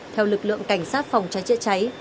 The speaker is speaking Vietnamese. theo lực lượng cảnh sát phòng trái trị cháy